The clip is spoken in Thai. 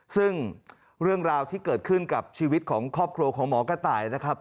ซึ่งเรื่องราวที่เกิดขึ้นกับชีวิตของครอบครัวของหมอกระต่ายนะครับ